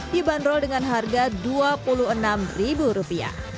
dibanderol dengan harga rp dua puluh enam